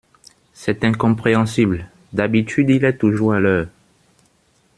C'est incompréhensible! D'habitude, il est toujours à l'heure !